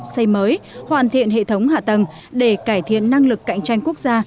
xây mới hoàn thiện hệ thống hạ tầng để cải thiện năng lực cạnh tranh quốc gia